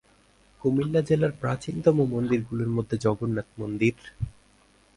কুমিল্লা জেলার প্রাচীনতম মন্দিরগুলির মধ্যে জগন্নাথ মন্দির।